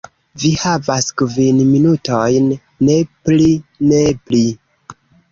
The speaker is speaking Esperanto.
Vi havas kvin minutojn. Ne pli. Ne pli."